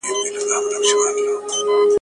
يوه کډه دبلي زړه کاږي.